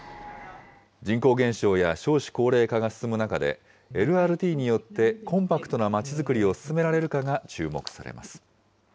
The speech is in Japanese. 人口減少や少子高齢化が進む中で、ＬＲＴによってコンパクトなまちづくりを進められるかが注目されます。